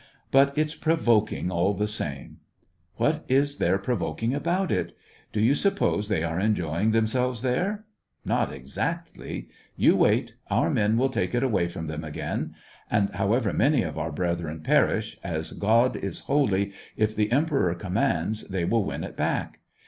'' But it's provoking, all the same !"" What is there provoking about it ? Do you suppose they are enjoying themselves there? Not exac.tly ! You wait, our men will take it away from them again. And however many of our brethren perish, as God is holy, if the em peror commands, they will win it back.